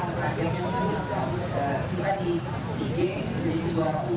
rakyatnya solo kita di cd sejumlah umum